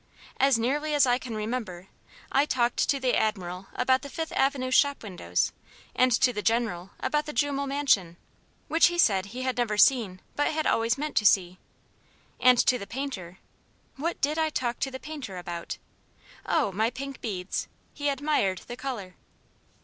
As nearly as I can remember, I talked to the Admiral about the Fifth Avenue shopwindows, and to the General about the Jumel Mansion which he said he had never seen but had always meant to see and to the painter what did I talk to the painter about? Oh! my pink beads. He admired the colour."